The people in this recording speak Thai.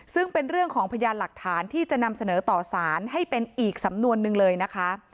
ซึ่งเป็นเรื่องของพยานหลักฐานที่จะนำเสนอต่อสารให้เป็นอีกสำนวนหนึ่งเลยนะคะ